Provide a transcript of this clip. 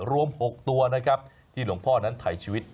รวม๖ตัวนะครับที่หลวงพ่อนั้นถ่ายชีวิต